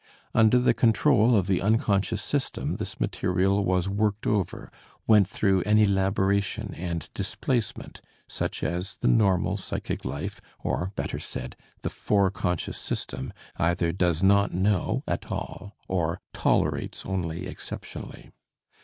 Under the control of the unconscious system this material was worked over, went through an elaboration and displacement such as the normal psychic life or, better said, the fore conscious system, either does not know at all or tolerates only exceptionally.